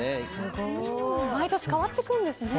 毎年変わっていくんですね